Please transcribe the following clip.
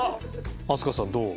飛鳥さんどう？